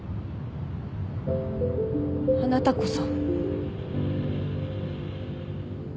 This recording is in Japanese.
あなたこそ